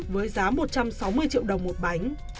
với giá một trăm sáu mươi triệu đồng một bánh